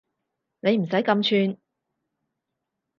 你唔使咁串